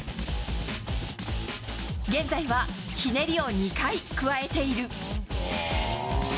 現在はひねりを２回加えている。